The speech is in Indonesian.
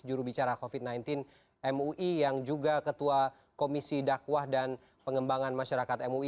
jurubicara covid sembilan belas mui yang juga ketua komisi dakwah dan pengembangan masyarakat mui